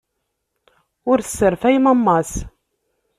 Ur sserfay mamma-s.